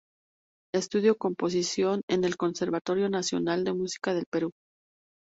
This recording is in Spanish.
Estudió composición en el Conservatorio Nacional de Música del Perú.